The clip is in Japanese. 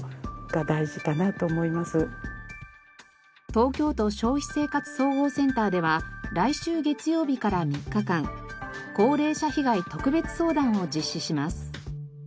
東京都消費生活総合センターでは来週月曜日から３日間高齢者被害特別相談を実施します。